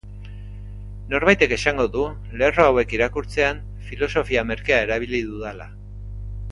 Norbaitek esango du lerro hauek irakurtzean, filosofia merkea erabili dudala.